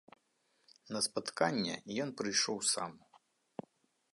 На спатканне ён прыйшоў сам.